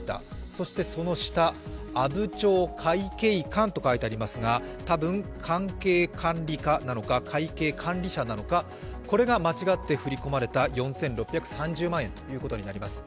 そしてその下、アブチョウカイケイカンと書いてありますが多分、関係管理課なのか、会計管理者なのか、これが間違って振り込まれた４６３０万円ということになります。